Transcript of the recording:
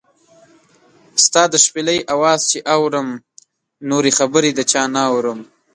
ستا د شپېلۍ اواز چې اورم، نورې خبرې د چا نۀ اورم